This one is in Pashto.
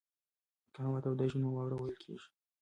که هوا توده شي نو واوره ویلې کېږي.